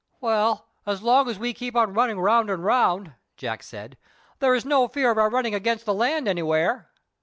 "Well, as long as we keep on running round and round," Jack said, "there is no fear of our running against the land anywhere."